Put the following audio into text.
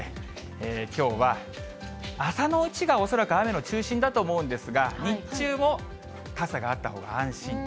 きょうは、朝のうちが恐らく雨の中心だと思うんですが、日中も傘があったほうが安心。